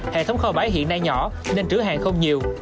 hệ thống kho bãi hiện nay nhỏ nên trữ hàng không nhiều